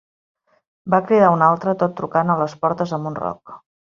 Va cridar un altre, tot trucant a les portes amb un roc.